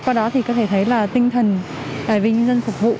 qua đó thì có thể thấy là tinh thần tài vì nhân dân phục vụ